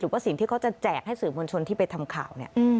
ว่าสิ่งที่เขาจะแจกให้สื่อมวลชนที่ไปทำข่าวเนี่ย